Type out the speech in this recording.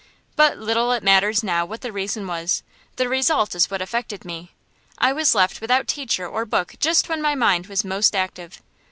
But little it matters now what the reason was; the result is what affected me. I was left without teacher or book just when my mind was most active.